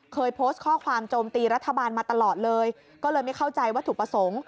เคยโพสต์ข้อความโจมตีรัฐบาลมาตลอดเลยก็เลยไม่เข้าใจวัตถุประสงค์